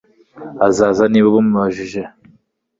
Azaza niba ubimubajije